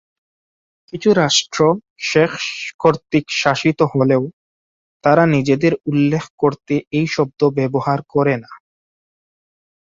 কিছু রাষ্ট্র শেখ কর্তৃক শাসিত হলেও তারা নিজেদের উল্লেখ করতে এই শব্দ ব্যবহার করে না।